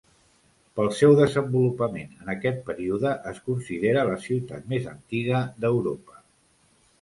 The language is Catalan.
Pel seu desenvolupament en aquest període es considera la ciutat més antiga d'Europa.